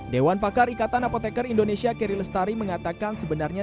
dewan pakar ikatan apotekar indonesia keri lestari mengatakan sebenarnya